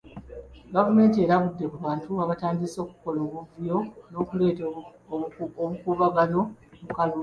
Gavumenti erabudde ku bantu abatandise okukola obuvuyo n'okuleeta obukubagano mu kalulu.